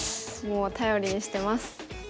もう頼りにしてます。